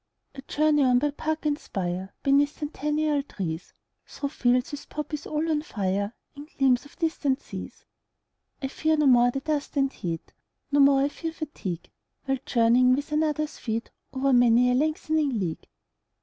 20 I journey on by park and spire, Beneath centennial trees, Through fields with poppies all on fire, And gleams of distant seas. I fear no more the dust and heat, 25 No more I fear fatigue, While journeying with another's feet O'er many a lengthening league.